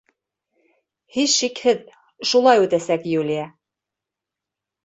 — Һис шикһеҙ, шулай үтәсәк, Юлия.